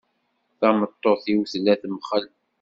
Tameṭṭut-iw tella temxell.